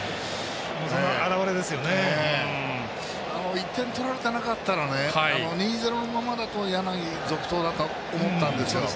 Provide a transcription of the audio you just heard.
１点取られてなかったら２対０のままだったら柳が続投だと思うんですよ。